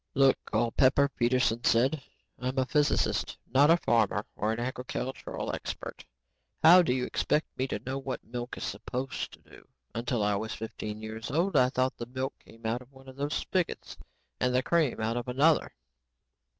"Look, Culpepper," Peterson said, "I'm a physicist, not a farmer or an agricultural expert. How do you expect me to know what milk is supposed to do? Until I was fifteen years old, I thought the milk came out of one of those spigots and the cream out of another."